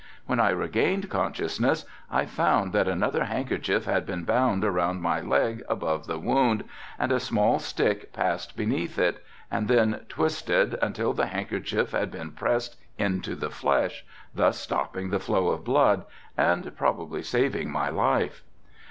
When I regained consciousness, I found that another handkerchief had been bound around my leg above the wound and a small stick passed beneath it and then twisted until the handkerchief had been pressed into the flesh, thus stopping the flow of blood and probably saving my life.